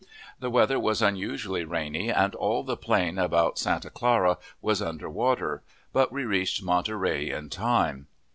The weather was unusually rainy, and all the plain about Santa Clara was under water; but we reached Monterey in time.